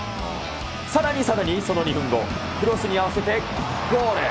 さらにさらに、その２分後、クロスに合わせてゴール。